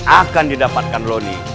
akan didapatkan loni